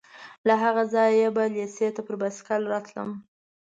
له هغه ځایه به لېسې ته پر سایکل راتلم.